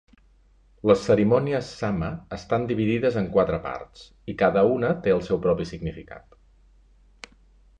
Les cerimònies Sama estan dividies en quatre parts i cada una té el seu propi significat.